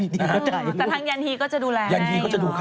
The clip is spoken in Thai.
แต่ทั้งยันฮีก็จะดูแล